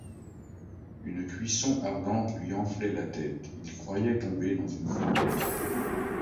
Une cuisson ardente lui enflait la tête, il croyait tomber dans une fournaise.